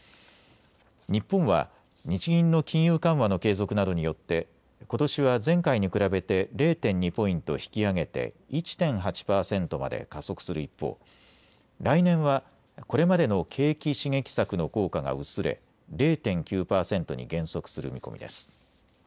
日本は日銀の金融緩和の継続などによってことしは前回に比べて０．２ポイント引き上げて１．８％まで加速する一方、来年はこれまでの景気刺激策の効果が薄れ０．９％に減速する見込みです。